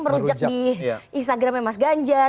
merujak di instagramnya mas ganjar